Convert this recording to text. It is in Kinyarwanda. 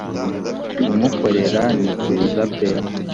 kumukorera ni byiza pe